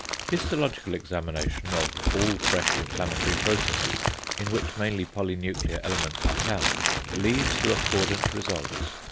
Histological examination of all fresh inflammatory processes, in which mainly polynuclear elements are found, leads to accordant results.